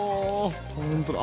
ほんとだ。